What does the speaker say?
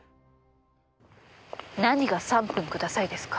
何が「３分ください」ですか。